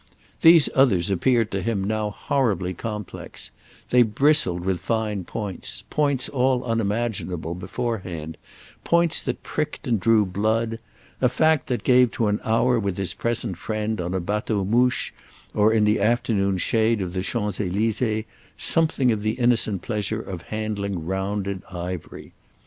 These others appeared to him now horribly complex; they bristled with fine points, points all unimaginable beforehand, points that pricked and drew blood; a fact that gave to an hour with his present friend on a bateau mouche, or in the afternoon shade of the Champs Elysées, something of the innocent pleasure of handling rounded ivory.